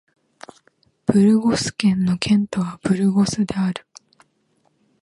ブルゴス県の県都はブルゴスである